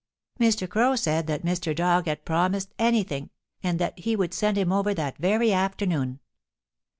Mr. Crow said that Mr. Dog had promised anything, and that he would send him over that very afternoon.